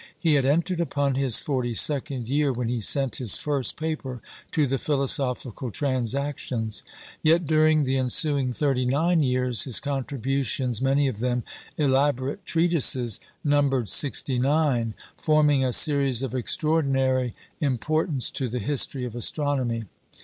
He had entered upon his forty second year when he sent his first paper to the Philosophical Transactions; yet during the ensuing thirty nine years his contributions many of them elaborate treatises numbered sixty nine, forming a series of extraordinary importance to the history of astronomy.